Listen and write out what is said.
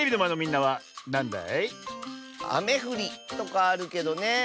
「あめふり」とかあるけどねえ。